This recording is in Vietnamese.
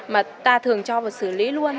mà ta thường cho vào xử lý luôn